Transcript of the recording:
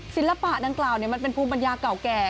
ศิลปะดังกล่าวมันเป็นภูมิปัญญาเก่าแก่